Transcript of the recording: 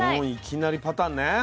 もういきなりパターンね。